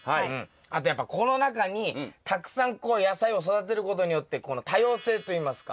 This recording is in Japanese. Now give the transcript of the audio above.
あとやっぱこの中にたくさんこう野菜を育てることによってこの多様性といいますか。